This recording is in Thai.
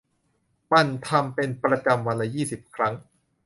หมั่นทำเป็นประจำวันละ ยี่สิบ ครั้ง